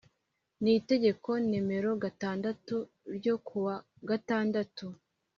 n Itegeko Nomero gatandatu ryo kuwa gatandatu